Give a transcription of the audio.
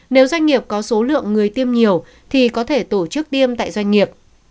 nếu doanh nghiệp có số lượng người tiêm nhiều thì có thể tổ chức tiêm tại doanh nghiệp